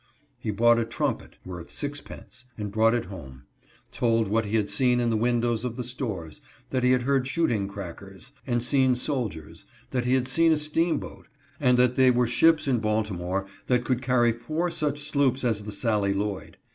He bought a trumpet (worth sixpence) and brought it home ; told what he had seen in the windows of the stores ; that he had heard shooting crackers, and seen soldiers; that he had seen a steamboat, and that they were ships in Baltimore that could carry four such sloops as the " Sally Lloyd."